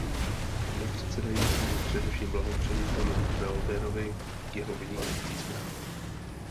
Pane předsedající, především blahopřeji panu Belderovi k jeho vynikající zprávě.